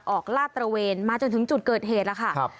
ลาดตระเวนมาจนถึงจุดเกิดเหตุแล้วค่ะ